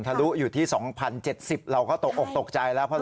ลุอยู่ที่๒๐๗๐เราก็ตกออกตกใจแล้ว